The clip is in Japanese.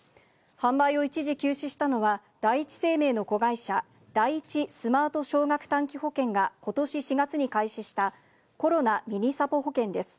販売を一時休止したのは、第一生命の子会社、第一スマート少額短期保険がことし４月に開始した、コロナｍｉｎｉサポほけんです。